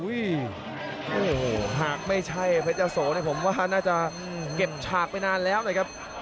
โอ้โหหากไม่ใช่เพชรยะโสเนี่ยผมว่าน่าจะเก็บฉากไปนานแล้วนะครับ